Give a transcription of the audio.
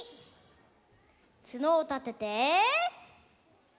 つのをたてて。